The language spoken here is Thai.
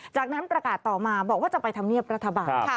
จากนั้นประกาศต่อมาบอกว่าจะไปทำเนียบรัฐบาล